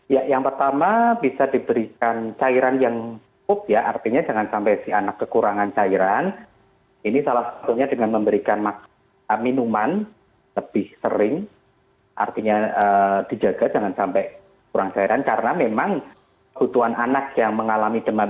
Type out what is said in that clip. yang pertama bisa diberikan cairan yang cukup artinya jangan sampai si anak kekurangan cairan